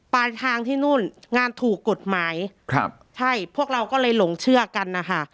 ปลายทางที่นู่นงานถูกกฎหมายครับใช่พวกเราก็เลยหลงเชื่อกันนะคะ